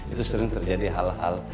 itu sering terjadi hal hal